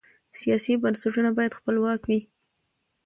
سیاسي بنسټونه باید خپلواک وي